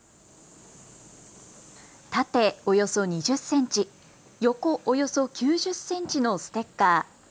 縦およそ２０センチ、横およそ９０センチのステッカー。